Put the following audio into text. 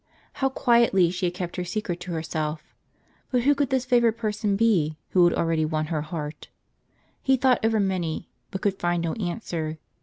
How quietly she had kept her secret to herself ! But who could this favored person be, who had already won her heart ? He thought over many, but could find no answer.